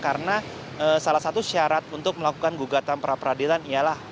karena salah satu syarat untuk melakukan gugatan peradilan adalah